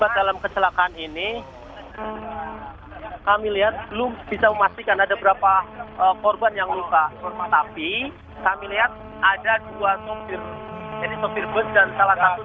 tapi kami lihat ada dua sopir bus